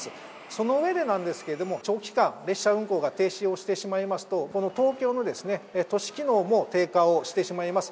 その上でなんですけれども、長期間、列車運行が停止をしてしまいますと、この東京の都市機能も低下をしてしまいます。